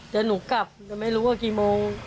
แต่หนูกลับแต่ไม่รู้ว่ากี่โมง